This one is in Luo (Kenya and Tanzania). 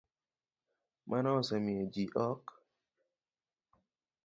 Mano osemiyo ji ok